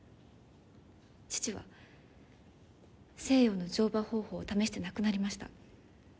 父は西洋の乗馬方法を試して亡くなりました。